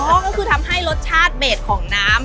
ก็คือทำให้รสชาติเบสของน้ำ